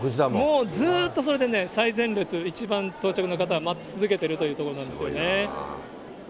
もうずっとそれでね、最前列、一番到着の方は、待ち続けてるということなんですよね。